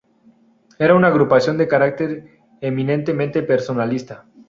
Era una agrupación de carácter eminentemente personalista.